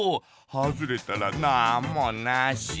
はずれたらなんもなし。